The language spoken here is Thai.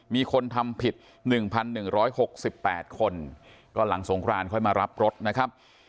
มีคนทำผิด๑๑๖๘คนก็หลังสงครานค่อยมารับรถนะครับ